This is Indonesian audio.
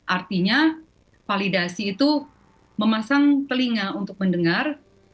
artinya validasi itu memasang telinga untuk mendengar